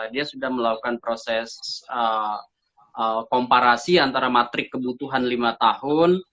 dia sudah melakukan proses komparasi antara matrik kebutuhan lima tahun